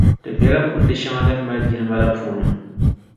Di bela kundi shɛŋa din mali jilma la puuni.